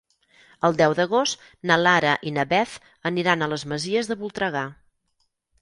El deu d'agost na Lara i na Beth aniran a les Masies de Voltregà.